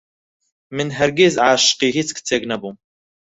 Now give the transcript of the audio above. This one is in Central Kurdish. من هەرگیز عاشقی هیچ کچێک نەبووم.